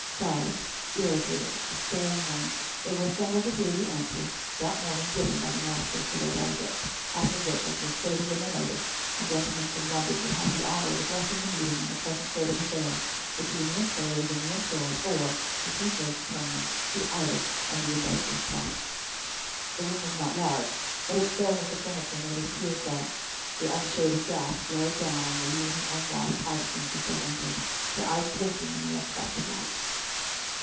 Starved, irritated, despairing men, they were assembling to hear the answer that morning given by the masters to their delegates; after which, as was stated in the notice, a gentleman from London would have the honour of addressing the meeting on the present state of affairs between the employers and the employed, or (as he chose to term them) the idle and the industrious classes. The room was not large, but its bareness of furniture made it appear so. Unshaded gas flared down upon the lean and unwashed artisans as they entered, their eyes blinking at the excess of light.